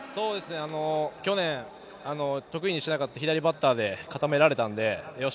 去年、得意にしなかった左バッターで固められたので、よし！